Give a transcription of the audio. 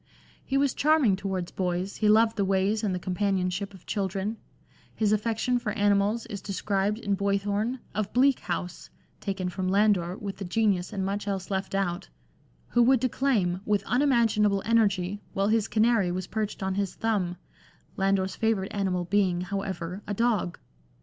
He was charming towards boys, he loved the ways and the companionship of children ; his affection for animals is described in Boythorn of Bleak House (taken from Landor with the genius and much else left out), who would declaim " with unimaginable energy " while his canary was perched on his thumb, Landor's favourite animal being, however, a dog.